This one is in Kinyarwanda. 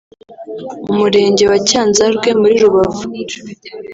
Umurenge wa Cyanzarwe muri Rubavu